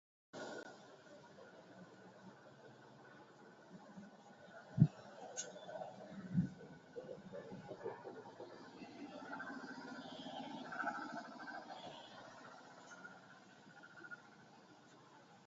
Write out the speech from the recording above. கூடியிருந்த சிலபேர் கைது செய்யப்பட்டனர்.